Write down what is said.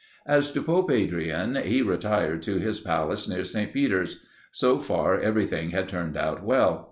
As to Pope Adrian, he retired to his palace near St. Peter's. So far everything had turned out well.